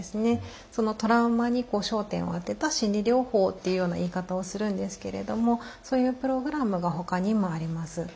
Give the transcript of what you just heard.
トラウマに焦点を当てた心理療法っていうような言い方をするんですけれどもそういうプログラムがほかにもあります。